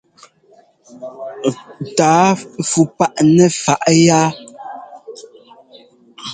Tǎa fú paʼ nɛ faʼ yá.